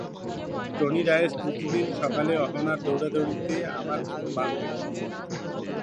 Tony Dias প্রতিদিন সকালে অহনার দৌড়াদৌড়িতে আমার ঘুম ভাঙে।